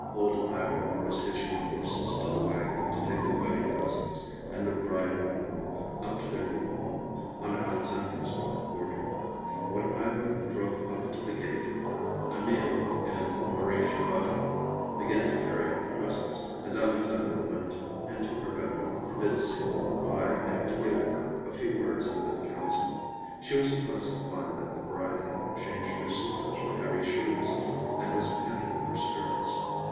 Old Ivar was hitching the horses to the wagon to take the wedding presents and the bride and groom up to their new home, on Alexandra's north quarter. When Ivar drove up to the gate, Emil and Marie Shabata began to carry out the presents, and Alexandra went into her bedroom to bid Signa good bye and to give her a few words of good counsel. She was surprised to find that the bride had changed her slippers for heavy shoes and was pinning up her skirts.